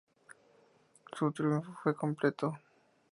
Su triunfo fue completo.